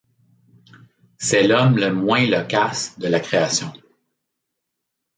C’est l’homme le moins loquace de la Création.